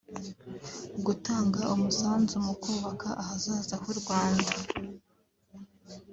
gutanga umusanzu mu kubaka ahazaza h’u Rwanda